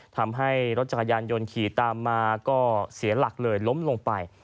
ทำให้รถจักรยานยนต์ขี่ตามมาก็เสียหลักเลยล้มลงไป